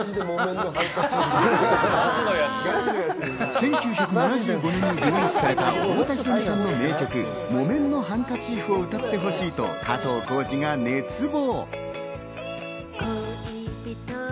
１９７５年にリリースされた太田有美さんの名曲『木綿のハンカチーフ』を歌ってほしいと加藤浩次が熱望。